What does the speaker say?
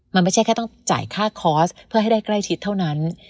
มันไม่ใช่แค่ต้องจ่ายค่าคอร์สเพื่อให้ได้ใกล้ชิดเท่านั้น